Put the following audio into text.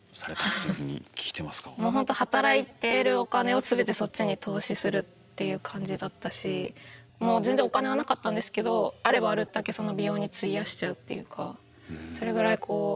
もうほんと働いてるお金をすべてそっちに投資するっていう感じだったし全然お金はなかったんですけどあればあるったけ美容に費やしちゃうっていうかそれぐらい。